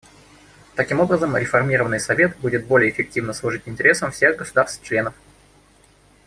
Таким образом, реформированный Совет будет более эффективно служить интересам всех государств-членов.